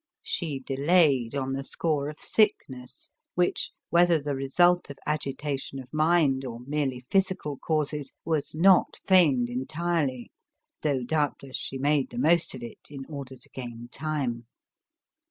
She delayed on the score of sickness, which, whether the result of agita tion of mind or merely physical causes, was not feigned entirely, though doubtless she made the most of it, in order to gain time.